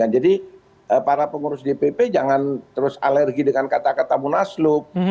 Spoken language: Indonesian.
jadi para pengurus dpp jangan terus alergi dengan kata kata munaslub